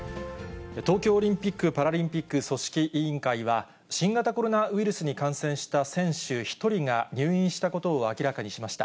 東京オリンピック・パラリンピック組織委員会は、新型コロナウイルスに感染した選手１人が入院したことを明らかにしました。